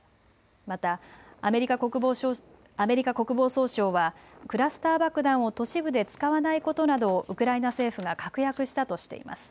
またアメリカ国防総省はクラスター爆弾を都市部で使わないことなどをウクライナ政府が確約したとしています。